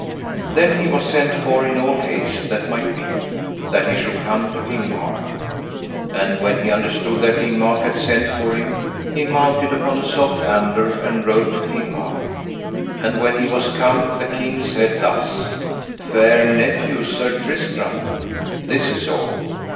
Then was he sent for in all haste that might be, that he should come to King Mark. And when he understood that King Mark had sent for him, he mounted upon a soft ambler and rode to King Mark. And when he was come the king said thus: Fair nephew Sir Tristram, this is all.